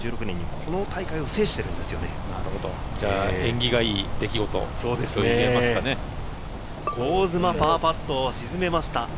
この大会を制してい縁起がいい出来事といえ香妻、パーパットを沈めました。